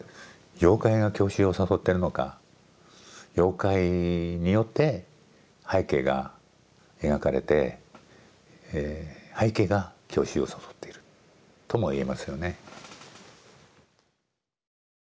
妖怪が郷愁を誘ってるのか妖怪によって背景が描かれて背景が郷愁を誘っているとも言えますよね。